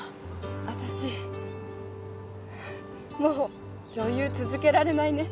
私もう女優続けられないね。